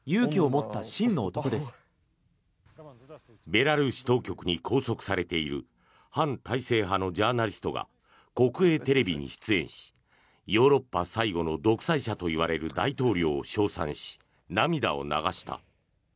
ベラルーシ当局に拘束されている反体制派のジャーナリストが国営テレビに出演しヨーロッパ最後の独裁者といわれる大統領を称賛し涙を流した。